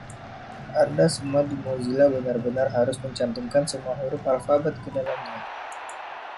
Anda semua di Mozilla benar-benar harus mencantumkan semua huruf alfabet ke dalamnya.